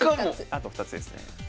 あと２つですね。